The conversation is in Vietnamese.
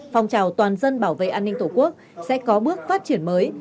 phong trào toàn dân bảo vệ an ninh tổ quốc sẽ có bước phát triển mới